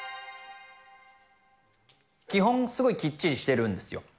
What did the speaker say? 基本、すごいきっちりしてるんですよ。